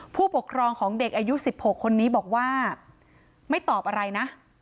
ผู้ปกครองของเด็กอายุ๑๖คนนี้บอกว่าไม่ตอบอะไรนะ